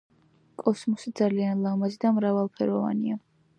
კოსმოსი ძალიან ლამაზი და მრავალფეროვანია